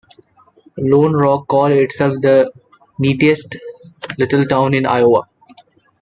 Lone Rock calls itself The Neatest Little Town in Iowa.